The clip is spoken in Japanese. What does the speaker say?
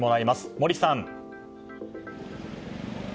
森さん。